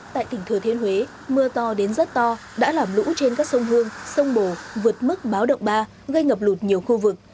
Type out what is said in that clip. tại tỉnh thừa thiên huế mưa to đến rất to đã làm lũ trên các sông hương sông bồ vượt mức báo động ba gây ngập lụt nhiều khu vực